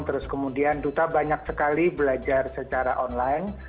terus kemudian duta banyak sekali belajar secara online